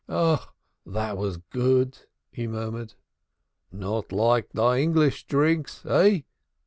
"Ah, that was good," he murmured. "Not like thy English drinks, eh?"